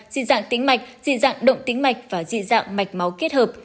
dị dạng tính mạch dị dạng động tính mạch và dị dạng mạch máu kết hợp